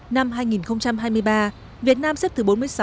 năm hai nghìn hai mươi ba việt nam xếp thứ bốn mươi sáu